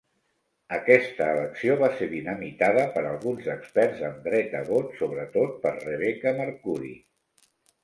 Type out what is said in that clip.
Aquesta elecció va ser dinamitada per alguns experts amb dret a vot, sobretot per Rebecca Mercuri.